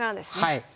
はい。